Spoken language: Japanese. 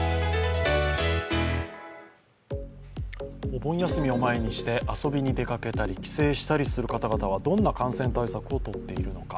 お盆休みを前にして遊びに出かけたり帰省したりする方々はどんな感染対策をとっているのか。